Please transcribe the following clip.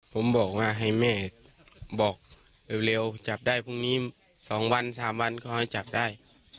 ผมบอกว่าให้แม่บอกเร็วจับได้พรุ่งนี้๒วัน๓วันก็ให้จับได้